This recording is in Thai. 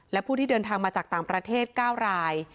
และผู้ที่เดินทางมาจากต่างประเทศ๙ราย